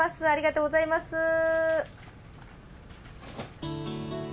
ありがとうございます。